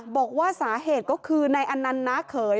บอกว่าสาเหตุก็คือในอันนั้นนาเขย